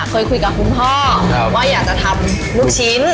เคยคุยกับคุณพ่อว่าอยากจะทำลูกชิ้น